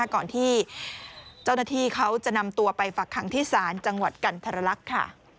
ก่อนที่เจ้าหน้าที่เขาจะนำตัวไปฝักขังที่ศาลจังหวัดกันทรลักษณ์ค่ะ